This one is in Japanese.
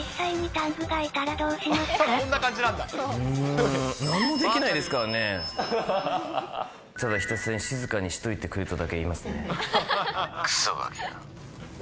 ただひたすらに静かにしておいてくれとだけ言いますね。